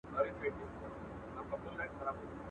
بلا پر بلا واوښته، بلا بوڅ کوني را واوښته.